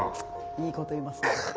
いいこと言いますね。